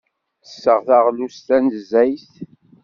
Ttesseɣ taɣlust tanezzayt.